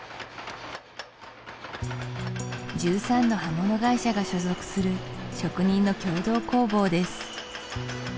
１３の刃物会社が所属する職人の共同工房です